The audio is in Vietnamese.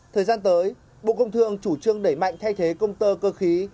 thời gian tới bộ công thương chủ trương đẩy mạnh thay thế công tơ cơ khí